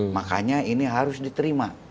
makanya ini harus diterima